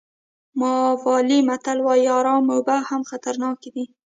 مالاوي متل وایي ارامه اوبه هم خطرناک دي.